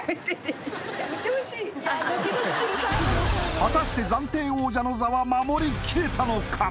果たして暫定王者の座は守り切れたのか？